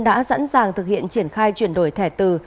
đã sẵn sàng thực hiện triển khai chuyển đổi thẻ từ